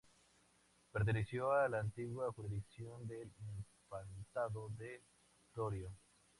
Perteneció a la antigua Jurisdicción del Infantado de Torío.